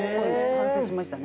反省しましたね。